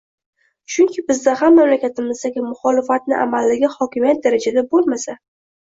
Chunki bizda ham mamlakatimizdagi muxolifatni amaldagi hokimiyat darajasida bo‘lmasa